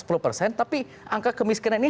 sepuluh persen tapi angka kemiskinan ini